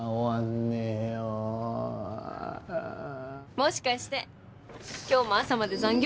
もしかして今日も朝まで残業？